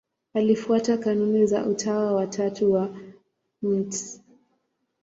Alifuata kanuni za Utawa wa Tatu wa Mt.